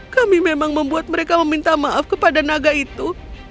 kami memang membuat mereka meminta maaf kepada naga itu